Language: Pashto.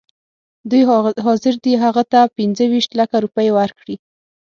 دوی حاضر دي هغه ته پنځه ویشت لکه روپۍ ورکړي.